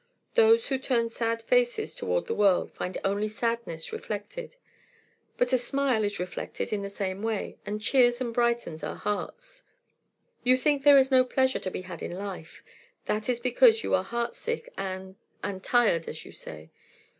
Those who turn sad faces toward the world find only sadness reflected. But a smile is reflected in the same way, and cheers and brightens our hearts. You think there is no pleasure to be had in life. That is because you are heartsick and and tired, as you say.